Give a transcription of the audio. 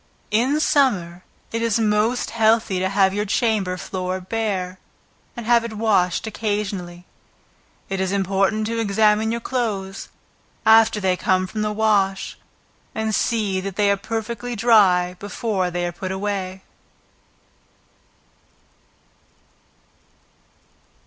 In summer it is most healthy to have your chamber floor bare, and have it washed occasionally. It is important to examine your clothes, after they come from the wash, and see that they are perfectly dry before they are put away.